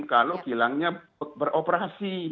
kalau kilangnya beroperasi